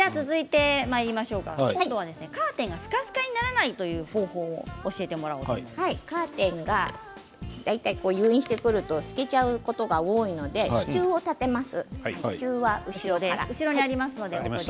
今度はカーテンがすかすかにならない方法をカーテンが誘引してくると透けちゃうことがあるので支柱を立てます。